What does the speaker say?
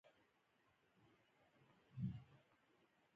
د سارا په خبرو مې زړه خوږ شو.